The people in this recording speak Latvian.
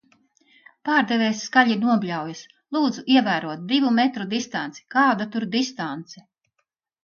Pārdevējs skaļi nobļaujas "Lūdzu ievērot divu metru distanci!" Kāda tur distance?